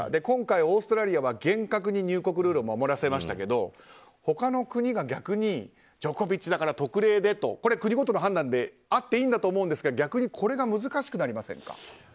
今回オーストラリアは厳格に入国ルールを守らせましたけど他の国が逆にジョコビッチだから特例でとこれは国ごとの判断であっていいんだと思うんですが逆にこれが難しくなりませんか。